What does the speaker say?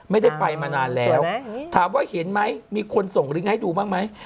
ไม่ได้ไปมานานแล้วถามว่าเห็นไหมมีคนส่งลิงก์ให้ดูบ้างไหม